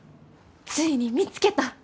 ついに見つけた。